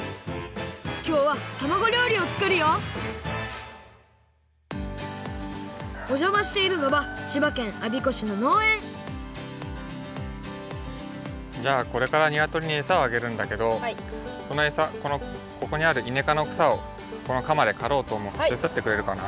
きょうはたまご料理を作るよおじゃましているのは千葉県我孫子市ののうえんじゃあこれからにわとりにえさをあげるんだけどそのえさここにあるいねかのくさをこのかまでかろうとおもうのでてつだってくれるかな？